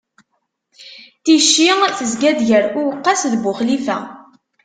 Ticci tezga-d gar Uwqas d Buxlifa.